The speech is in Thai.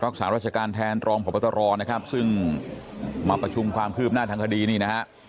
รักษาราชการแทนรองพบตรนะครับซึ่งมาประชุมความคืบหน้าทางคดีนี่นะฮะ